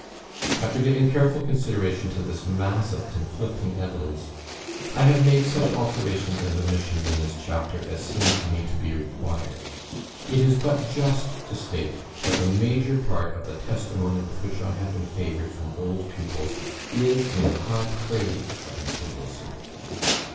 After giving careful consideration to this mass of conflicting evidence, I have made such alterations and omissions in this chapter as seem to me to be required. It is but just to state that the major part of the testimony with which I have been favoured from old pupils is in high praise of Mr. Wilson.